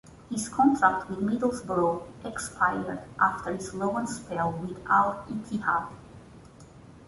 His contract with Middlesbrough expired after his loan spell with Al-Ittihad.